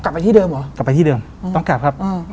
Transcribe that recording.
กลับไปที่เดิมเหรอกลับไปที่เดิมต้องกลับครับ